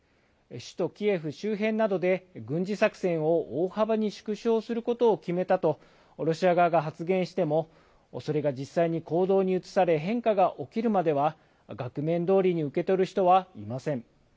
首都キエフ周辺などで軍事作戦を大幅に縮小することを決めたと、ロシア側が発言しても、それが実際に行動に移され、変化が起きるまでは、額面どおりに受け取る人はいません。